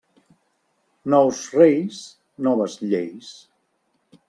Nous reis, noves lleis.